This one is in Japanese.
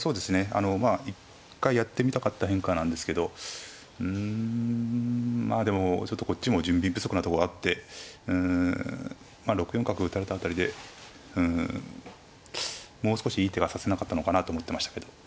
あのまあ一回やってみたかった変化なんですけどうんまあでもちょっとこっちも準備不足なとこがあってうん６四角打たれた辺りでうんもう少しいい手が指せなかったのかなと思ってましたけど。